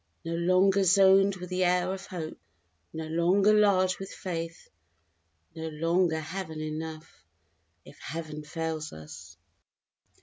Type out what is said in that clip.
No longer zoned with the air of hope, no longer large with faith No longer heaven enough if Heaven fails us!